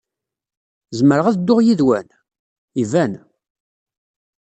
Zemreɣ ad dduɣ yid-wen? Iban!